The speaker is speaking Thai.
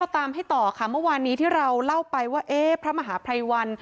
ตามให้ต่อค่ะเมื่อวานนี้ที่เราเล่าไปว่าเอ๊ะพระมหาภัยวัน